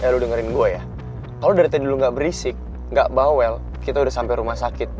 ya lo dengerin gua ya kalo lo dari tadi lo ga berisik ga bawel kita udah sampe rumah sakit